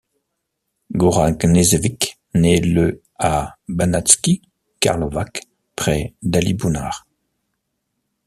Goran Knežević naît le à Banatski Karlovac, près d'Alibunar.